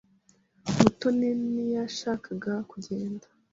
Mutoni ntiyashakaga kugenda.